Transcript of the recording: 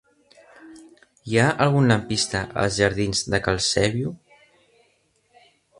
Hi ha algun lampista als jardins de Cal Sèbio?